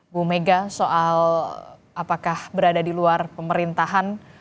bu mega soal apakah berada di luar pemerintahan